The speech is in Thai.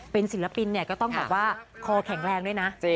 เป็นศิลปินเนี่ยก็ต้องแบบว่าคอแข็งแรงด้วยนะ